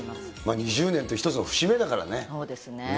２０年って一つの節目だからそうですね。